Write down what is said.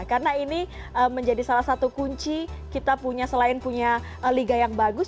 karena ini menjadi salah satu kunci kita selain punya liga yang bagus